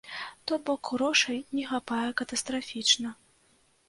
То бок, грошай не хапае катастрафічна.